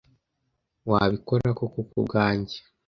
Wabikora koko kubwanjye?